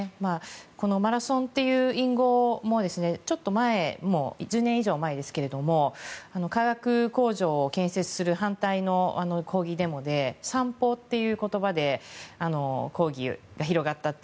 このマラソンという隠語もちょっと前、１０年以上前ですが化学工場を建設する反対の抗議デモで散歩という言葉で抗議が広がったと。